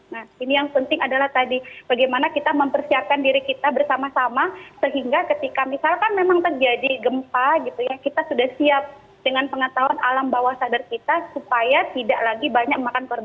nah ini yang penting adalah tadi bagaimana kita mempersiapkan diri kita bersama sama sehingga ketika misalkan memang terjadi gempa gitu ya kita sudah siap dengan pengetahuan alam bawah sadar kita supaya tidak lagi banyak makan korban